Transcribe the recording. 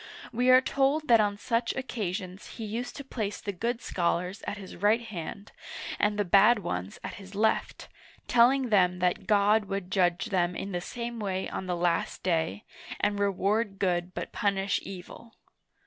We are told that on such occasions he used to place the good scholars at his right hand, and the bad ones at his left, telling them that God would judge them in the same way on the Last Day, and reward good but punish evil.